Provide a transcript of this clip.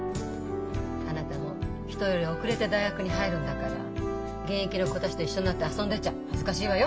あなたも人より遅れて大学に入るんだから現役の子たちと一緒になって遊んでちゃ恥ずかしいわよ！